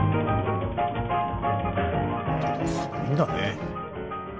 すごいんだね。